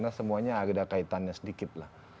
karena semuanya ada kaitannya sedikit lah